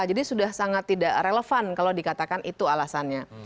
jadi sudah sangat tidak relevan kalau dikatakan itu alasannya